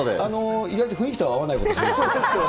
意外と雰囲気と合わないことしますね。